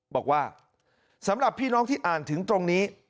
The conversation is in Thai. บอกว่าสำหรับพี่น้องที่อ่านถึงตรงนี้